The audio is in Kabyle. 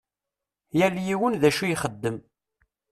Yal yiwen d acu ixeddem.